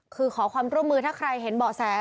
คือขอความร่วมมือถ้าใครเห็นเบาะแส